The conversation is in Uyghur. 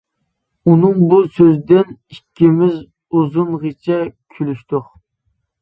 ئۇنىڭ بۇ سۆزىدىن ئىككىمىز ئۇزۇنغىچە كۈلۈشتۇق.